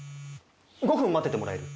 ５分待っててもらえる？